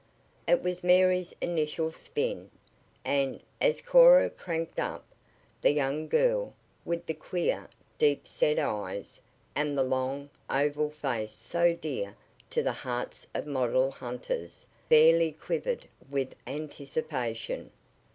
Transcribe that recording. It was Mary's initial spin, and, as Cora cranked up, the young girl, with the queer, deep set eyes, and the long, oval face so dear to the hearts of model hunters, fairly quivered with anticipation.